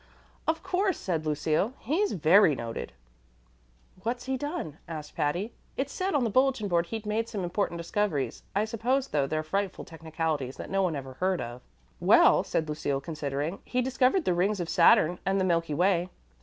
"Of course," said Lucille. "He's very noted." "What's he done?" asked Patty. "It said on the bulletin board he'd made some important discoveries. I suppose, though, they're frightful technicalities that no one ever heard of." "Well," said Lucille, considering, "he discovered the rings of Saturn and the Milky Way."